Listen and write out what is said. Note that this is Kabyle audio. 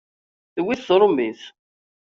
Tewwi-t tṛumit.